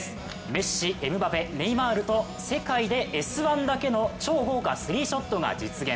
メッシ、エムバペ、ネイマールと「Ｓ☆１」だけの超豪華スリーショットが実現。